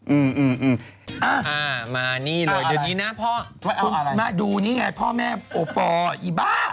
อืมอืมอืมอ่ามานี่เลยเดือนนี้นะพ่อเอาอะไรมาดูนี่ไงพ่อแม่โอปอล์อีบ๊า